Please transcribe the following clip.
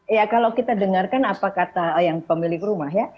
ya kalau kita dengarkan apa kata yang pemilik rumah ya